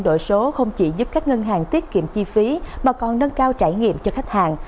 đổi số không chỉ giúp các ngân hàng tiết kiệm chi phí mà còn nâng cao trải nghiệm cho khách hàng